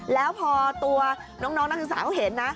แล้วพอตัวน้องนักศึกษาเขาเห็นนะ